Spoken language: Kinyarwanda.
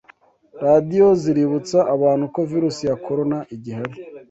Radio ziributsa abantu ko virus ya corona igihari